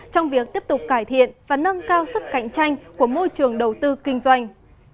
trong việc tiếp tục cải thiện và nâng cao sức cạnh tranh của môi trường đầu tư kinh doanh